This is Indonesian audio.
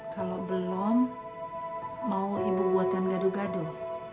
kalau belum mau ibu buatan gaduh gaduh